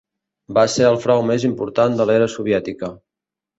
Va ser el frau més important de l'era soviètica.